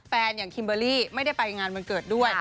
อย่างคิมเบอร์รี่ไม่ได้ไปงานวันเกิดด้วย